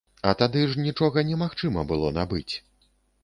А тады ж нічога не магчыма было набыць.